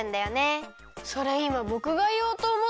それいまぼくがいおうとおもったのに。